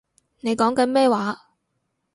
你講緊咩話